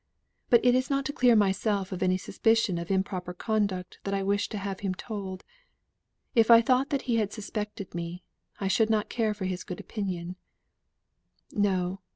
But it is not to clear myself of any suspicion of improper conduct that I wish to have him told if I thought that he had suspected me, I should not care for his good opinion no!